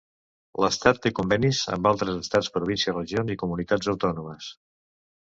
L'estat té convenis amb altres estats, províncies, regions i comunitats autònomes.